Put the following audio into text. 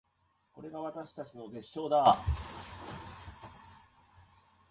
これが私たちの絶唱だー